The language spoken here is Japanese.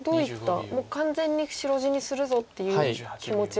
もう完全に白地にするぞっていう気持ちが。